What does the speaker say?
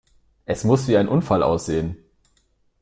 Es muss wie ein Unfall aussehen!